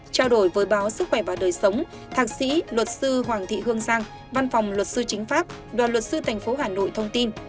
trao đổi với báo sức khỏe và đời sống thạc sĩ luật sư hoàng thị hương giang văn phòng luật sư chính pháp đoàn luật sư thành phố hà nội thông tin